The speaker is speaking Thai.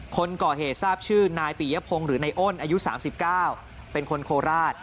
คนก่อเหตุทราบชื่อนายปียพงศ์หรือนายอ้นอายุ๓๙เป็นคนโคราช